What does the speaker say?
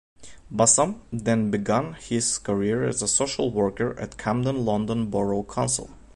Bassam then began his career as a social worker at Camden London Borough Council.